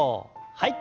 はい。